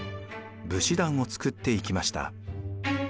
武士団を作っていきました。